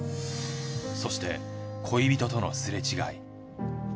そして恋人とのすれ違い。